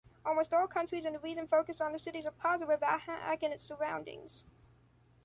Almost all companies in the region focus on the cities of Požarevac and its surroundings.